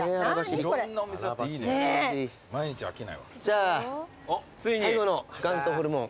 じゃあ最後の元祖ホルモン。